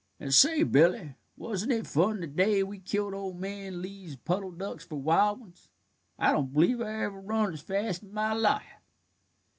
"And say, Billy, wasn't it fun the day we killed old man Lee's puddle ducks for wild ones? I don't believe I ever run as fast in my life."